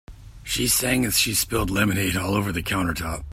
She sang as she spilled lemonade all over the countertop.